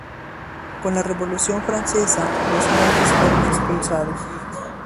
Con la Revolución Francesa, los monjes fueron expulsados.